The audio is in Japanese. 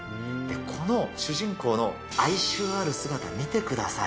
この主人公の哀愁ある姿、見てください。